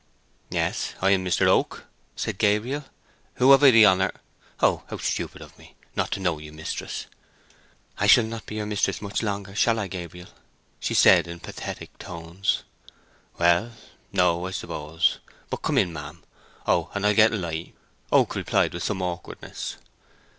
"Yes; I am Mr. Oak," said Gabriel. "Who have I the honour—O how stupid of me, not to know you, mistress!" "I shall not be your mistress much longer, shall I Gabriel?" she said, in pathetic tones. "Well, no. I suppose—But come in, ma'am. Oh—and I'll get a light," Oak replied, with some awkwardness.